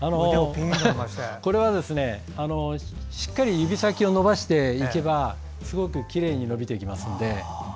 これはしっかりと指先を伸ばしてやればすごくきれいに伸びていきます。